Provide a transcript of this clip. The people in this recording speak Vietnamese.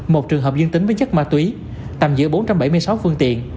một trường hợp dân tính với chất ma túy tầm giữa bốn trăm bảy mươi sáu phương tiện